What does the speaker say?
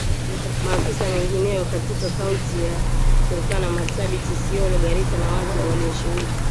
maafisa wengineo katika Kaunti za Turkana Marsabit Isiolo Garissa na Wajir walioshiriki